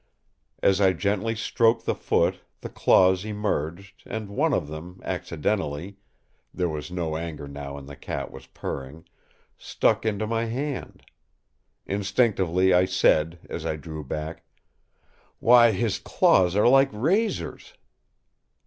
As I gently stroked the foot the claws emerged and one of them accidentally—there was no anger now and the cat was purring—stuck into my hand. Instinctively I said as I drew back: "Why, his claws are like razors!"